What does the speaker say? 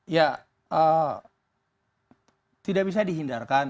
ya tidak bisa dihindarkan